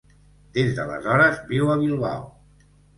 Des d'aleshores viu a Bilbao.